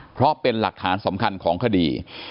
เพราะเป็นหลักฐานสำคัญของคดี